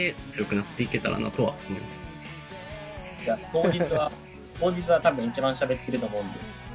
当日は当日はたぶん一番しゃべってると思うんで。